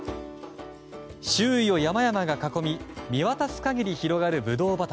周囲を山々が囲み見渡す限り広がるブドウ畑。